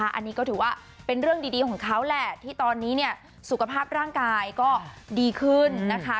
อันนี้ก็ถือว่าเป็นเรื่องดีของเขาแหละที่ตอนนี้เนี่ยสุขภาพร่างกายก็ดีขึ้นนะคะ